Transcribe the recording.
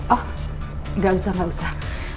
oh gak usah gak usah